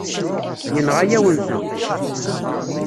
Yenɣa-yawen-tent.